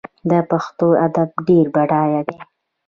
د پښتو ادب ډیر بډایه دی.